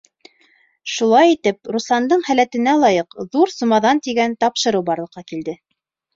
Шулай итеп, Русландың һәләтенә лайыҡ «Ҙур сумаҙан» тигән тапшырыу барлыҡҡа килә.